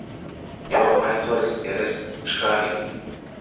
يو خوا يې توره سي تياره ښكاريږي’